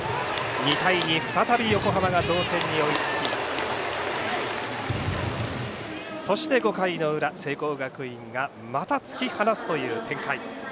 ２対２、再び横浜が同点に追いつきそして５回の裏聖光学院がまた突き放すという展開。